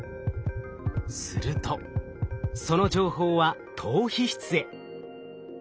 するとその情報は島皮質へ。